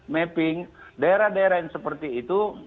mapping daerah daerah yang seperti itu